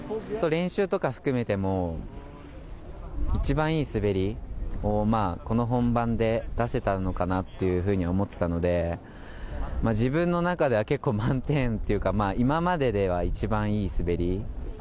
練習とか含めても、一番いい滑りを、この本番で出せたのかなっていうふうに思ってたので、自分の中では結構、満点っていうか、今まででは一番いい滑り。